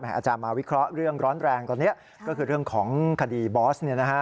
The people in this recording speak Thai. อาจารย์มาวิเคราะห์เรื่องร้อนแรงตอนนี้ก็คือเรื่องของคดีบอสเนี่ยนะฮะ